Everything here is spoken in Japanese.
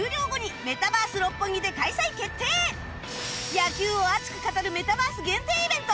野球を熱く語るメタバース限定イベント